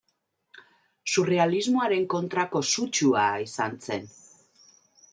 Surrealismoaren kontrako sutsua izan zen.